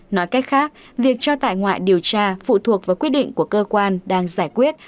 nói cách khác việc cho tại ngoại điều tra phụ thuộc vào quyết định của cơ quan đang giải quyết